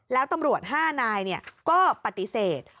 แล้วตำรวจ๕นายก็ปฏิเสธ